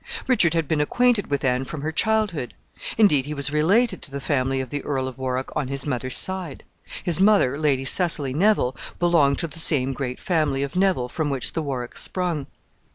Richard had been acquainted with Anne from her childhood. Indeed, he was related to the family of the Earl of Warwick on his mother's side. His mother, Lady Cecily Neville, belonged to the same great family of Neville from which the Warwicks sprung.